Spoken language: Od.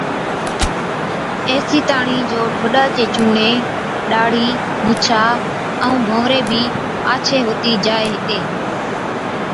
ايسِي تاڻِين جو ٺوڏا چي چُونڻي، ڏاڙهِي، مُڇا ائُون ڀنوَري بِي آڇي هُتِي جائي هِتي۔